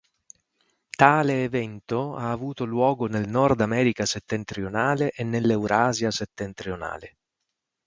Tale evento ha avuto luogo nel Nord America settentrionale e nell'Eurasia settentrionale.